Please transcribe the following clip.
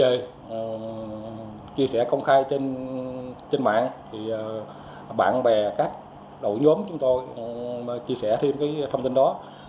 chúng tôi đem về chia sẻ công khai trên mạng bạn bè các đồng nhóm chúng tôi chia sẻ thêm thông tin đó